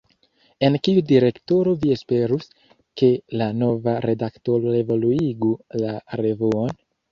En kiu direkto vi esperus, ke la nova redaktoro evoluigu la revuon?